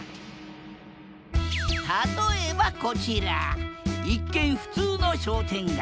例えばこちら一見普通の商店街。